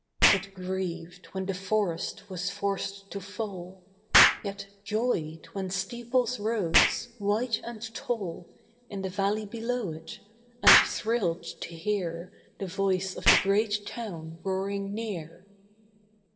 It grieved when the forest was forced to fall, Yet joyed when steeples rose, white and tall, In the valley below it, and thrilled to hear The voice of the great town roaring near.